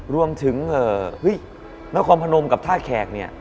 รวมถึงนครพนมกับท่าแขกเนี่ย